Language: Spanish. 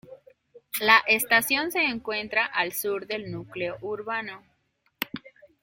La estación se encuentra al sur del núcleo urbano.